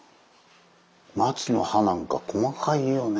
松の葉なんか細かいよね。